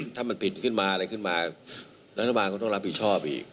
ถ้ามันผิดขึ้นมาอะไรขึ้นมารัฐบาลก็ต้องรับผิดชอบอีก